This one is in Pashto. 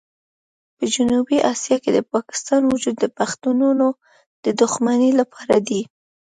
په جنوبي اسیا کې د پاکستان وجود د پښتنو د دښمنۍ لپاره دی.